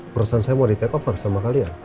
perusahaan saya mau di take over sama kalian